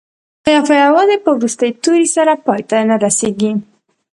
قافیه یوازې په وروستي توري سره پای ته نه رسيږي.